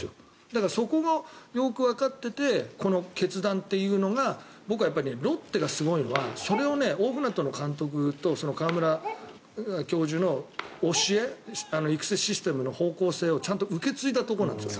だからそこがよくわかっていてこの決断というのが僕はロッテがすごいのはそれを大船渡の監督と川村教授の教え育成システムの方向性をちゃんと受け継いだところです。